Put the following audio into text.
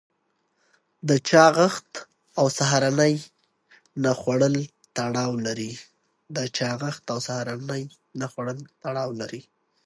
د چاغښت او سهارنۍ نه خوړل تړاو لري.